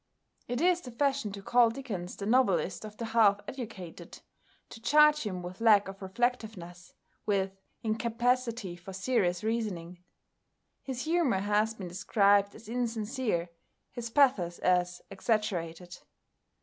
It is the fashion to call Dickens the novelist of the half educated, to charge him with lack of reflectiveness, with incapacity for serious reasoning. His humour has been described as insincere, his pathos as exaggerated.